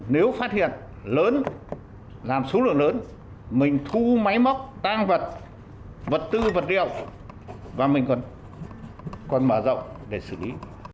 nếu phát hiện lớn làm số lượng lớn mình thu máy móc tăng vật tư vật liệu và mình còn mở rộng để xử lý